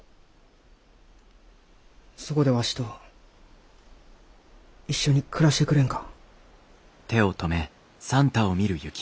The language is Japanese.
そこでわしと一緒に暮らしてくれんか？